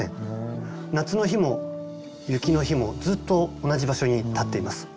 夏の日も雪の日もずっと同じ場所に立っています。